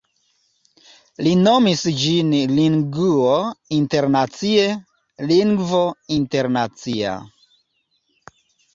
li nomis ĝin Linguo internacie, lingvo internacia.